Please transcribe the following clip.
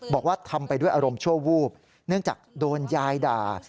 บอกว่าทำไปด้วยอารมณ์ชั่ววูบเนื่องจากโดนยายด่า